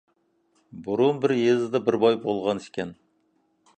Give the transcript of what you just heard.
بۇرۇن بىر يېزىدا بىر باي بولغانىكەن.